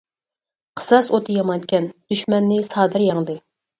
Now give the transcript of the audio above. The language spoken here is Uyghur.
قىساس ئوتى يامانكەن، دۈشمەننى سادىر يەڭدى.